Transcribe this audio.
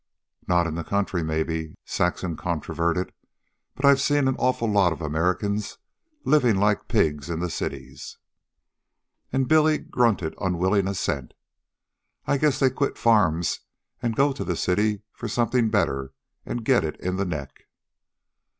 "Not in the country, maybe," Saxon controverted. "But I've seen an awful lot of Americans living like pigs in the cities." Billy grunted unwilling assent. "I guess they quit the farms an' go to the city for something better, an' get it in the neck."